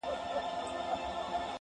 • مستول چي مي جامونه هغه نه یم -